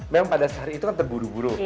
memang pada sehari itu kan terburu buru